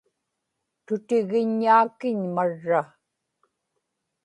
tutigiññaakiñ marra